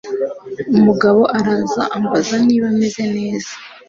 Umugabo araza ambaza niba meze neza